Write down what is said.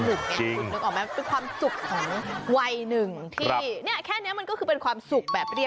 คือเด็กผู้ชายดิฉันว่าต้องเคยผ่านประสบการณ์นี้